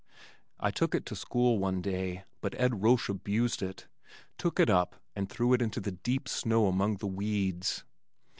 I took it to school one day, but Ed Roche abused it, took it up and threw it into the deep snow among the weeds.